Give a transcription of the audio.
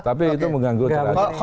tapi itu mengganggu teraturan